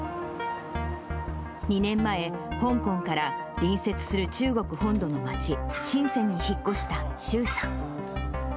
２年前、香港から隣接する中国本土の街、深せんに引っ越した周さん。